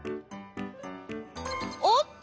おっと！